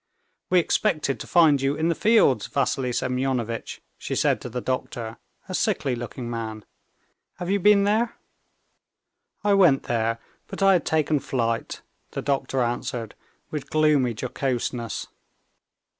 "We expected to find you in the fields, Vassily Semyonitch," she said to the doctor, a sickly looking man; "have you been there?" "I went there, but I had taken flight," the doctor answered with gloomy jocoseness.